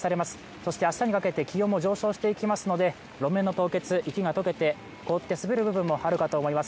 そして明日にかけて気温も上昇していきますので路面の凍結、雪が解けて、凍って滑る部分もあるかと思います。